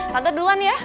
tante duluan ya